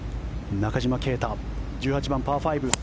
中島啓太、１８番、パー５。